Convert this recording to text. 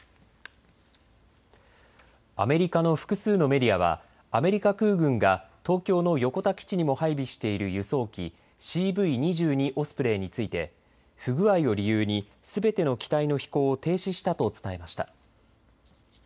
アメリカの複数のメディアはアメリカ空軍が東京の横田基地にも配備している輸送機、ＣＶ２２オスプレイについて不具合を理由にすべての機体の飛行を停止したと伝えました。